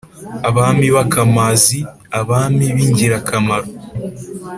abami b’akamazi: abami b’ingirakamaro